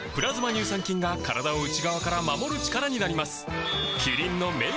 乳酸菌が体を内側から守る力になります